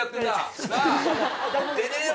出ねえよ